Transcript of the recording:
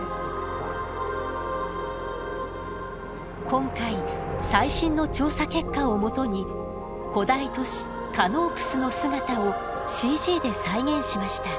今回最新の調査結果を基に古代都市カノープスの姿をＣＧで再現しました。